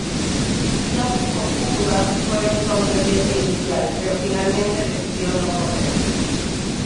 Yasuo Fukuda fue un contendiente inicial, pero finalmente decidió no correr.